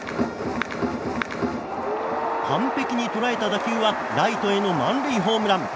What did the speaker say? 完璧に捉えた打球はライトへの満塁ホームラン。